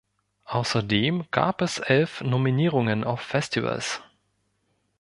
Außerdem gab es elf Nominierungen auf Festivals.